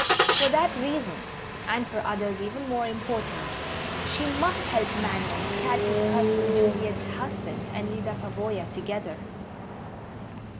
For that reason, and for others even more important, she must help Manners catch his cousin Juliet's husband and Lyda Pavoya together.